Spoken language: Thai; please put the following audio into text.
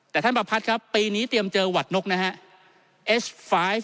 แต่ท่านประพัทธ์ครับปีนี้เตรียมเจอหวัดนกนะฮะ